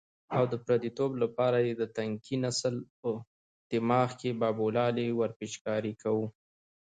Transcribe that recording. او د پردیتوب لپاره یې د تنکي نسل په دماغ کې بابولالې ورپېچکاري کوو.